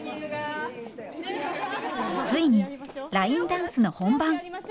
ついにラインダンスの本番。